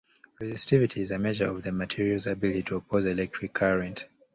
Resistivity is a measure of the material's ability to oppose electric current.